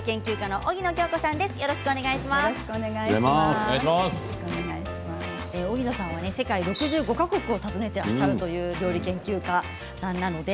荻野さんは世界６５か国を訪ねていらっしゃる料理研究家です。